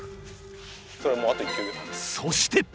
そして！